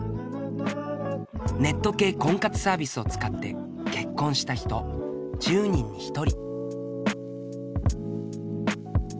ネット系婚活サービスを使って結婚した人１０人に１人。